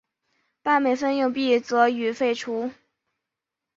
半美分硬币则予废除。